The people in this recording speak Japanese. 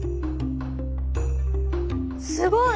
すごい！